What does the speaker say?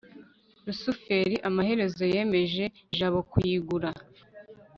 rusufero amaherezo yemeje jabo kuyigura